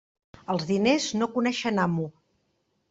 Els diners no coneixen amo.